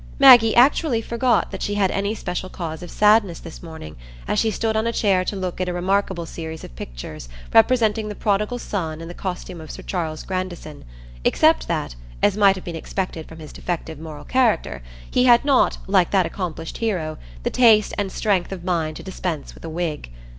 Maggie actually forgot that she had any special cause of sadness this morning, as she stood on a chair to look at a remarkable series of pictures representing the Prodigal Son in the costume of Sir Charles Grandison, except that, as might have been expected from his defective moral character, he had not, like that accomplished hero, the taste and strength of mind to dispense with a wig.